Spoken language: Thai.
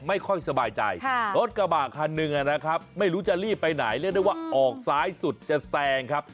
ไม่ค่อยสบายใจรถกระบะคันหนึ่งนะครับไม่รู้จะรีบไปไหนเรียกได้ว่าออกซ้ายสุดจะแซงครับ